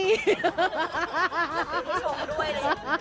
ปีที่ชงด้วย